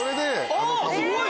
あぁすごい！